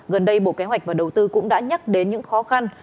gần đây bộ kế hoạch và đầu tư cũng đã nhắc đến những khó khăn